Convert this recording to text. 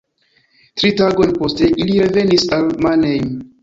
Tri tagojn poste ili revenis al Mannheim.